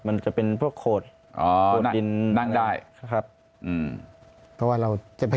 มันจะเป็นพวกโขดอ๋อโขดดินนั่งได้นะครับอืมเพราะว่าเราจะไป